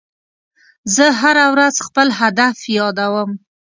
زه هره ورځ خپل هدف یادوم.